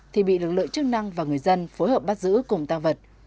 thì bị lực lượng chức năng và người dân phối hợp bắt giữ cùng tăng vật